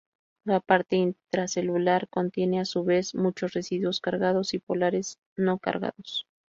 La parte intracelular, contiene a su vez muchos residuos cargados y polares no cargados.